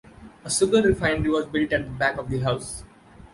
A sugar refinery was built at the back of the house.